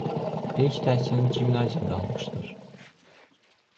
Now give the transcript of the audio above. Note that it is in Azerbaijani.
İlk təhsilini gimnaziyada almışdır.